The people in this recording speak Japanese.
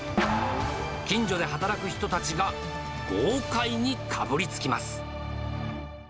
近所で働く人たちが豪快にかぶりつきます。